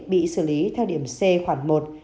bị xử lý theo điểm c khoảng một